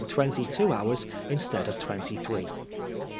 twenty two hours instead of twenty three.